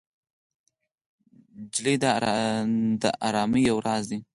نجلۍ د ارامۍ یو راز دی.